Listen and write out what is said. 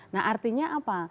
nah artinya apa